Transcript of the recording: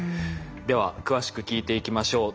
では詳しく聞いていきましょう。